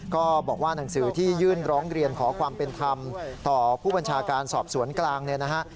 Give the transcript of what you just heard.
ก็บอกว่าหนังสือที่ยื่นร้องเรียนขอความเป็นธรรมต่อผู้บัญชาการสอบสวนกลางเนี่ยนะฮะ